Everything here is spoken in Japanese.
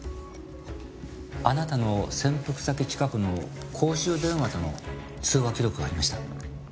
あなたの潜伏先近くの公衆電話との通話記録がありました。